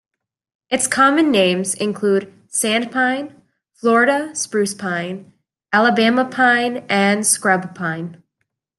Its common names include sand pine, Florida spruce pine, Alabama pine, and scrub pine.